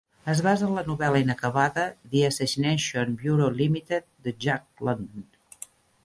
Es basa en la novel·la inacabada "The Assassination Bureau, Limited" de Jack London.